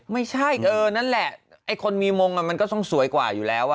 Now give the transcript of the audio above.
ไม่ใช่เออนั่นแหละไอ้คนมีมงมันก็ต้องสวยกว่าอยู่แล้ว